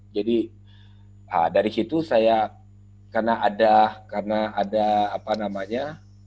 jadi dari situ saya karena ada karena ada apa namanya